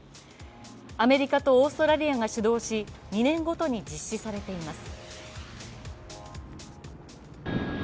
アメリカとオーストラリアが主導し２年ごとに実施されています。